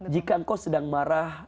jika engkau sedang marah